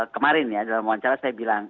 kemarin ya dalam wawancara saya bilang